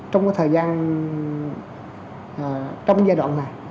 trong cái thời gian trong giai đoạn này